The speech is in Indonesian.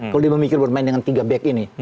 kalau dia memikir bermain dengan tiga back ini